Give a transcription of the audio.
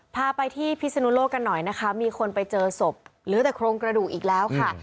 พาไปที่พิศนุโลกกันหน่อยนะคะมีคนไปเจอศพเหลือแต่โครงกระดูกอีกแล้วค่ะ